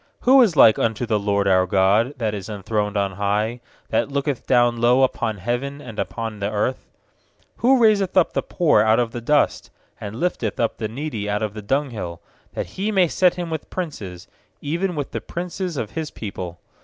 5Who is like unto the LORD our God, That is enthroned on high, 6That looketh down low Upon heaven and upon the earth? raiseth up the poor out of the dust, And lifteth up the needy out of the dunghill; 8That He may set him with princes, Even with the princes of His people.